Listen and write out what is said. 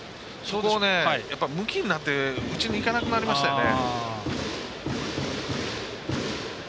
むきになって打ちにいかなくなりましたよね。